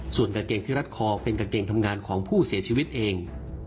ส่วนกางเกงที่รัดคอเป็นกางเกงทำงานของผู้เสียชีวิตเอง